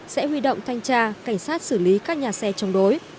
sẽ huy động thanh tra cảnh sát xử lý các nhà xe chống đối